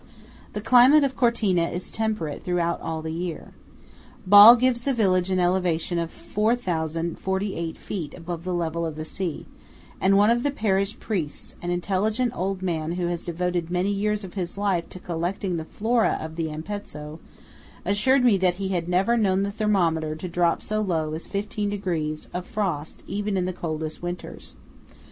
The climate of Cortina is temperate throughout the year. Ball gives the village an elevation of 4048 feet above the level of the sea; and one of the parish priests–an intelligent old man who has devoted many years of his life to collecting the flora of the Ampezzo–assured me that he had never known the thermometer drop so low as fifteen degrees 4 of frost in even the coldest winters.